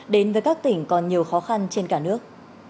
đến với các tỉnh còn nhiều khó khăn trên cả nước